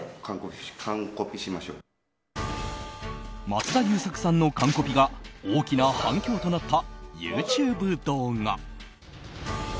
松田優作さんの完コピが大きな反響となったＹｏｕＴｕｂｅ動画。